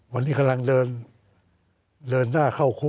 วันนี้กำลังเดินหน้าเข้าคุก